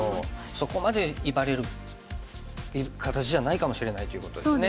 そこまで威張れる形じゃないかもしれないということですね。